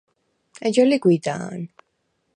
ეჯა ლი გვიდა̄ნ.